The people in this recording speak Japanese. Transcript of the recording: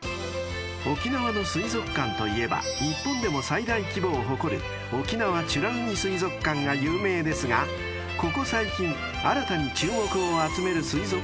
［沖縄の水族館といえば日本でも最大規模を誇る沖縄美ら海水族館が有名ですがここ最近新たに注目を集める水族館があるそうです］